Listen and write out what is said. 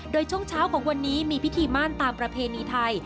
โดยช่วงเช้าของวันนี้มีพิธีม่านตามประเพณีไทย